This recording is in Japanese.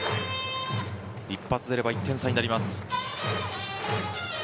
一発出れば１点差になります。